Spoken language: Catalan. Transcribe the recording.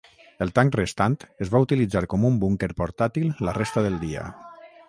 El tanc restant es va utilitzar com un búnquer portàtil la resta del dia.